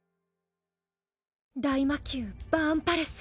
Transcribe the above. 大魔宮バーンパレス。